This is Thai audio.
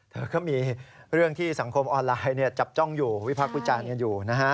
เธอก็มีเรื่องที่สังคมออนไลน์จับจ้องอยู่วิพักษ์วิจารณ์กันอยู่นะฮะ